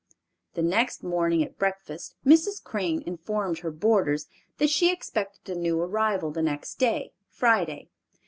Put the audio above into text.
'" The next morning at breakfast Mrs. Crane informed her boarders that she expected a new arrival the next day, Friday.